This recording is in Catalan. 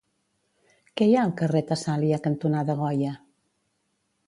Què hi ha al carrer Tessàlia cantonada Goya?